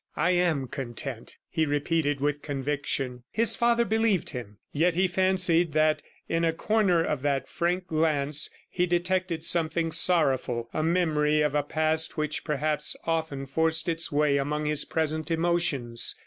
"I am content," he repeated with conviction. His father believed him, yet he fancied that, in a corner of that frank glance, he detected something sorrowful, a memory of a past which perhaps often forced its way among his present emotions.